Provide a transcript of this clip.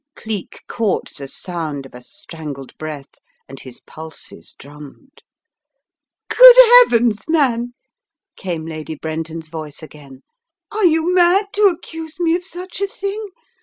Cleek caught the sound of a strangled breath and his pulses drummed. "Good Heavens, man!" came Lady Brenton's voice again, "axe you mad to accuse me of such a thing?